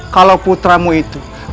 kalau putramu itu